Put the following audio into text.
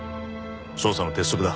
捜査の鉄則だ。